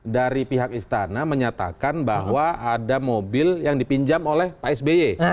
dari pihak istana menyatakan bahwa ada mobil yang dipinjam oleh pak sby